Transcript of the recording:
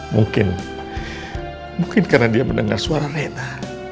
mungkin mungkin karena dia mendengar suara raita